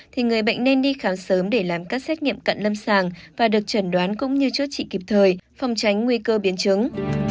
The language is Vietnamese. thì người bệnh nên đi khám sớm để làm các xét nghiệm cận lâm sàng và được chẩn đoán cũng như chữa trị kịp thời phòng tránh nguy cơ biến chứng